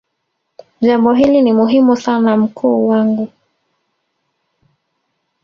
jambo hili ni muhimu sana mkuu wangu